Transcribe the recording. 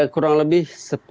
kurang lebih sepuluh